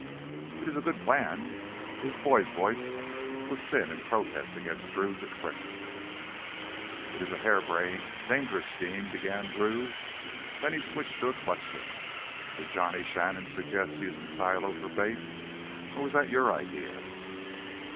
"It is a good plan!" His boy's voice was thin in protest against Drew's expression. "It is a harebrained, dangerous scheme," began Drew; then he switched to a question. "Did Johnny Shannon suggest using Shiloh for bait, or was that your idea?"